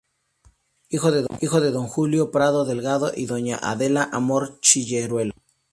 Hijo de don Julio Prado Delgado y doña Adela Amor Cilleruelo.